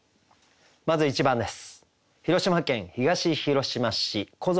まず１番です。